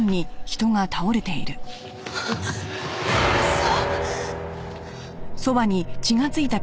嘘！？